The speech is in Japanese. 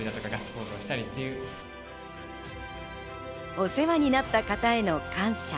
お世話になった方への感謝。